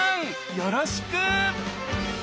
よろしく！